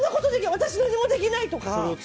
私、何もできない！とか。